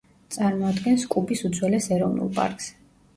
წარმოადგენს კუბის უძველეს ეროვნულ პარკს.